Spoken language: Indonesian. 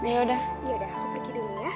ya udah aku pergi dulu ya